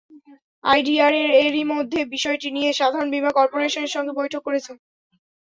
IDRA এরই মধ্যে বিষয়টি নিয়ে সাধারণ বীমা করপোরেশনের সঙ্গে বৈঠক করেছে।